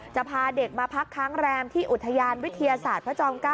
จะพาเด็กมาพักค้างแรมที่อุทยานวิทยาศาสตร์พระจอม๙